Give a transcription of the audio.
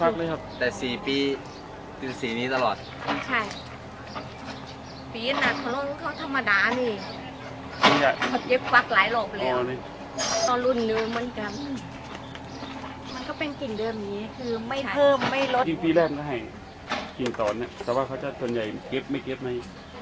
เขาก็อยากจะเท็บเก็บผิวขาวยังแปลกใดเอ๊ะมันจะเป็นสีฟักเลยหรือเปิดจริง